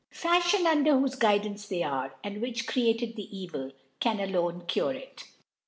Fafliion, under whofe Guidance they are, and which created the Evil, can alone cure it.